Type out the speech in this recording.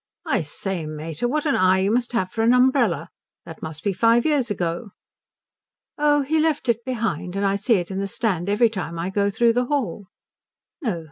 I say, mater, what an eye you must have for an umbrella. That must be five years ago." "Oh, he left it behind, and I see it in the stand every time I go through the hall." "No!